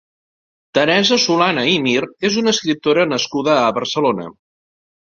Teresa Solana i Mir és una escriptora nascuda a Barcelona.